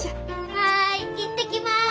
はい行ってきます。